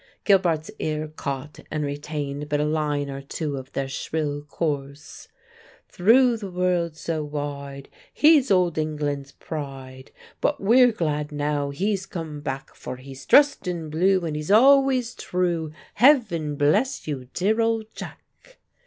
Gilbart's ear caught and retained but a line or two of their shrill chorus: Through the world so wide He's old England's pride, But we'er glad now he's come back: For he's dressed in blue, And he's always true Heaven bless you, dear old Jack!